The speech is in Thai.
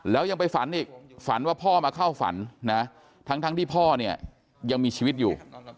แล้วยังไปฝันอีกฝันว่าพ่อมาเข้าฝันนะทั้งที่พ่อเนี่ยยังมีชีวิตอยู่